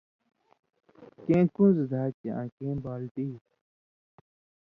کیں کُن٘زو دھا چھی آں کیں بالٹی